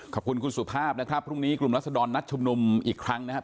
ขอบคุณคุณสุภาพนะครับพรุ่งนี้กลุ่มรัศดรนัดชุมนุมอีกครั้งนะครับ